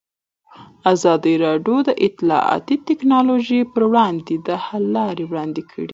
ازادي راډیو د اطلاعاتی تکنالوژي پر وړاندې د حل لارې وړاندې کړي.